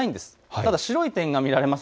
ただ白い点が見られます。